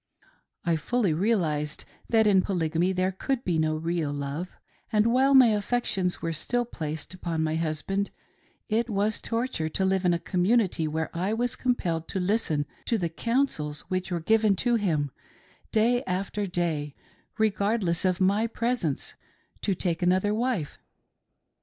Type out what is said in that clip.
I fully realised that in Polygamy there could be no real love ; and while my affections were still ' placed upon my hus band, it was torture to live in a community where I was compelled to listen to the "counsels" which were given to him, day after day, regardless of my presence, to take another wife.